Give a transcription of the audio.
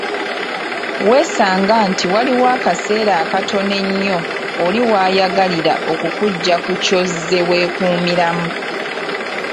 Weesanga nti waliwo akaseera akatono ennyo oli wayagalira okukugya ku ky'ozze weekuumiramu.